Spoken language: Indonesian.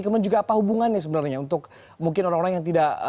kemudian juga apa hubungannya sebenarnya untuk mungkin orang orang yang tidak